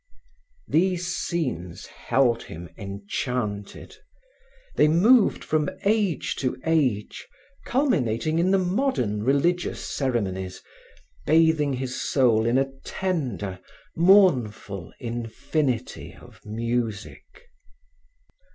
These scenes held him enchanted. They moved from age to age, culminating in the modern religious ceremonies, bathing his soul in a tender, mournful infinity of music.